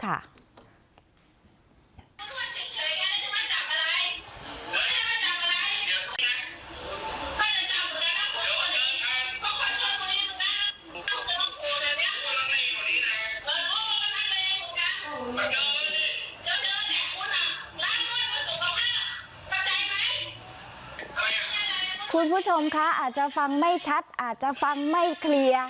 คุณผู้ชมคะอาจจะฟังไม่ชัดอาจจะฟังไม่เคลียร์